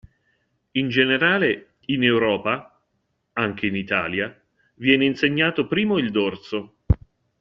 In generale in Europa (anche in Italia) viene insegnato primo il dorso.